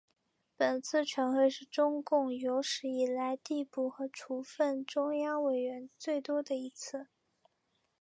本次全会是中共有史以来递补和处分中央委员最多的一次。